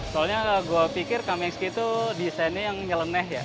soalnya gue pikir kamexy itu desainnya yang nyeleneh ya